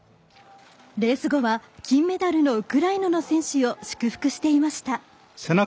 レース後は金メダルのウクライナの選手を祝福していました。